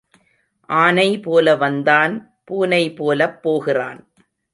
ஆனை போல வந்தான் பூனை போலப் போகிறான்.